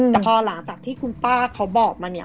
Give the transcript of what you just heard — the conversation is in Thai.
แต่พอหลังจากที่คุณป้าเขาบอกมาเนี่ย